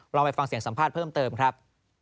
ไปฟังเสียงสัมภาษณ์เพิ่มเติมครับ